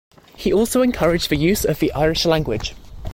He also encouraged the use of the Irish language.